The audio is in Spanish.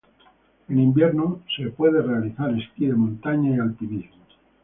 En invierno se puede realizar esquí de montaña y alpinismo.